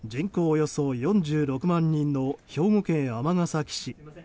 およそ４６万人の兵庫県尼崎市。